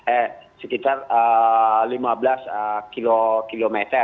eh sekitar lima belas km